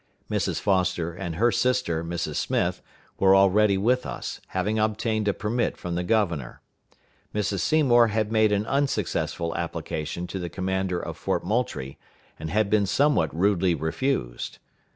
Mrs. Foster and her sister, Mrs. Smith, were already with us, having obtained a permit from the governor. Mrs. Seymour had made an unsuccessful application to the commander of Fort Moultrie, and had been somewhat rudely refused.